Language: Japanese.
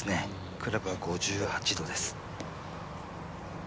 クラブは５８度です。